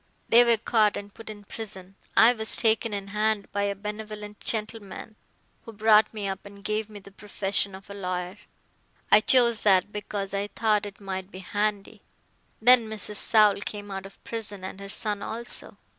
They were caught and put in prison. I was taken in hand by a benevolent gentleman who brought me up and gave me the profession of a lawyer. I chose that because I thought it might be handy. Then Mrs. Saul came out of prison and her son also.